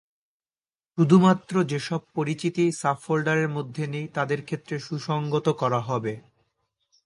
শুধুমাত্র যেসব পরিচিতি সাবফোল্ডারের মধ্যে নেই তাদের ক্ষেত্রে সুসংগত করা হবে।